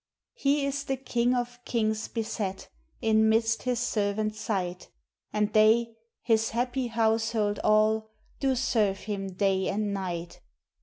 He is the King of kings beset In midst His servants' sight: And they, His happy household all, Do serve Him day and night.